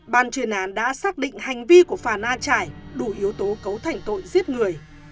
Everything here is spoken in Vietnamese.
ban truyền án đã xác định hành vi của phà na trải đủ yếu tố cấu thành tội giết người